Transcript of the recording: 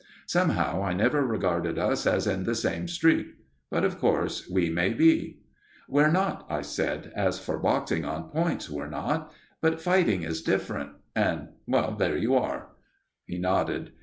Somehow I never regarded us as in the same street. But, of course, we may be." "We're not," I said. "As for boxing on points we're not. But fighting is different and there you are." He nodded.